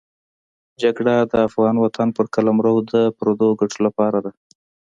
جګړه د افغان وطن پر قلمرو د پردو ګټو لپاره ده.